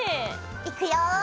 いくよ！